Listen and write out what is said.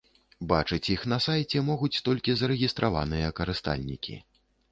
Бачыць іх на сайце могуць толькі зарэгістраваныя карыстальнікі.